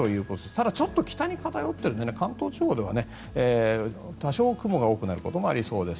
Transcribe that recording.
ただ、ちょっと北に偏っているので関東地方では多少、雲が多くなることもありそうです。